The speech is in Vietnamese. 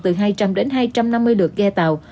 từ hai trăm linh đến hai trăm năm mươi lượt ghe tàu